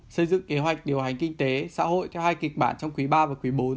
xây dựng kế hoạch điều hành kinh tế xã hội theo hai kịch bản trong quý ba và quý bốn